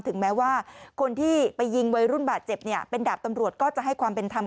ถึงแม้ว่าคนที่ไปยิงวัยรุ่นบาดเจ็บเนี่ยเป็นดาบตำรวจก็จะให้ความเป็นธรรม